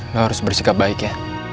nggak harus bersikap baik ya